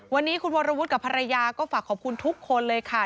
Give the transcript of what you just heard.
วันนี้คุณวรวุฒิกับภรรยาก็ฝากขอบคุณทุกคนเลยค่ะ